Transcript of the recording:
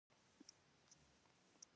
باز د خپل ناتوان ښکار درناوی نه کوي